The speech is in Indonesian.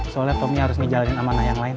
soalnya tomi harus ngejalanin sama nayang lain